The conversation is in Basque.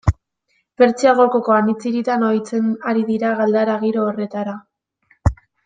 Pertsiar Golkoko anitz hiritan ohitzen ari dira galdara giro horretara.